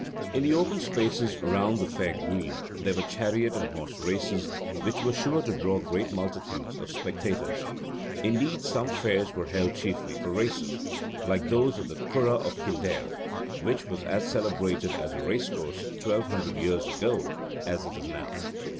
In the open spaces round the fair green there were chariot and horse races, which were sure to draw great multitudes of spectators. Indeed some fairs were held chiefly for races, like those at the Curragh of Kildare, which was as celebrated as a racecourse twelve hundred years ago as it is now.